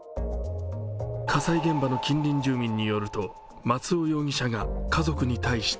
火災現場の近隣住民によると松尾容疑者が家族に対して